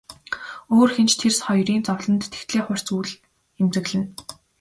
Өөр хэн ч тэр хоёрын зовлонд тэгтлээ хурц үл эмзэглэнэ.